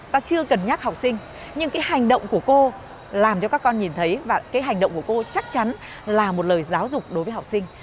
ta chưa cần nhắc học sinh nhưng cái hành động của cô làm cho các con nhìn thấy và cái hành động của cô chắc chắn là một lời giáo dục đối với học sinh